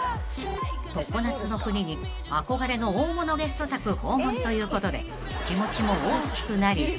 ［常夏の国に憧れの大物ゲスト宅訪問ということで気持ちも大きくなり］